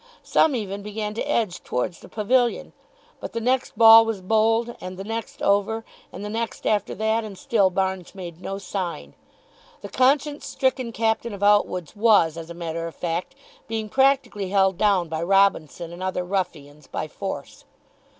Some even began to edge towards the pavilion. But the next ball was bowled, and the next over, and the next after that, and still Barnes made no sign. (The conscience stricken captain of Outwood's was, as a matter of fact, being practically held down by Robinson and other ruffians by force.)